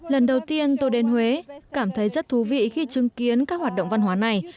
lần đầu tiên tôi đến huế cảm thấy rất thú vị khi chứng kiến các hoạt động văn hóa này